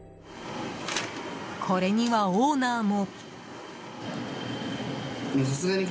これには、オーナーも。